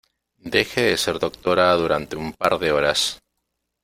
deje de ser doctora durante un par de horas,